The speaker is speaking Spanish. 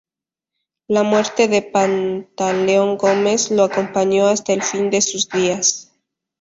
La muerte de Pantaleón Gómez lo acompañó hasta el fin de sus días.